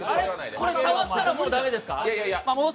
これ、触ったらもう駄目ですか？